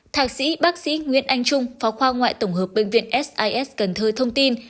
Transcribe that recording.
thạc sĩ bác sĩ nguyễn anh trung phó khoa ngoại tổng hợp bệnh viện sis cần thơ thông tin